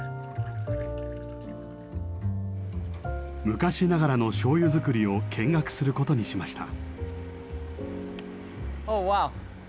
昔ながらの醤油造りを見学することにしました。